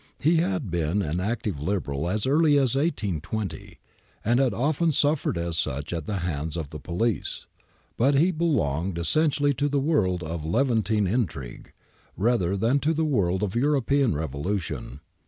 He had been an active Liberal as early as 1820, and had often suffered as such at the hands of the police. But he belonged essentially to the world of Levantine intrigue, rather than to the world of European revolution.